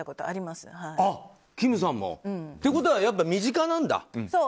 金さんも。ということはやっぱり身近なんだ。